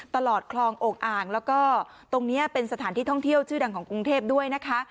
ตลอดคลองอกอ่างแล้วก็ตรงนี้เป็นสถานที่ท่องเที่ยวชื่อดังของกรุงเทพด้วยนะคะ